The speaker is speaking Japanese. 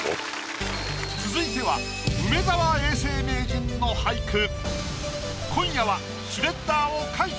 続いては梅沢永世名人の俳句。